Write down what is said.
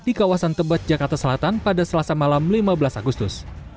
di kawasan tebet jakarta selatan pada selasa malam lima belas agustus